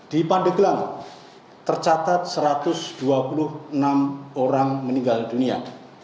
di pandeglang tercatat satu ratus dua puluh enam orang meninggal dunia